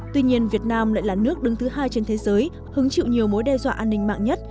tuy nhiên việt nam lại là nước đứng thứ hai trên thế giới hứng chịu nhiều mối đe dọa an ninh mạng nhất